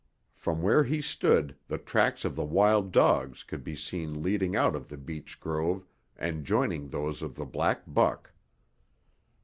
From where he stood the tracks of the wild dogs could be seen leading out of the beech grove and joining those of the black buck.